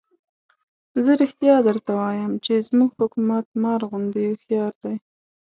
زه رښتیا درته وایم چې زموږ حکومت مار غوندې هوښیار دی.